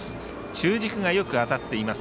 中軸がよく当たっています